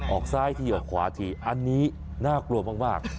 ออกซ้ายทีออกขวาทีอันนี้น่ากลัวมาก